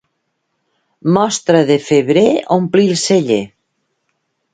Mostra de febrer ompli el celler.